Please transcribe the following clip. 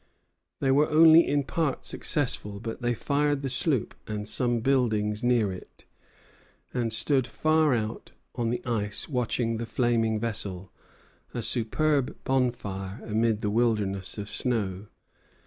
They were only in part successful; but they fired the sloop and some buildings near it, and stood far out on the ice watching the flaming vessel, a superb bonfire amid the wilderness of snow.